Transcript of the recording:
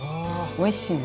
おいしいよね。